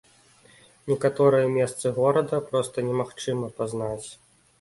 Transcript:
Некаторыя месцы горада проста немагчыма пазнаць.